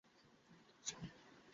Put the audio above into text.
অবশ্যই, বাবা।